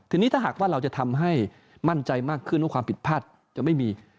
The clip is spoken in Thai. ทีนี้ถ้าหากว่าเราจะทำให้มั่นใจมากขึ้นว่าความผิดพลาดจะไม่มี